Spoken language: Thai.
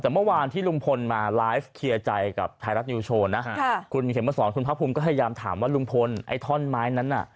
แต่เมื่อวานที่ลุงพลมาไลฟ์เคลียร์ใจกับไทยรัฐนิวโชว์นะฮะคุณเข็มมาสอนคุณพระภูมิก็พยายามถามว่าลุงพลไอ้ท่อนไม้นั้นน่ะ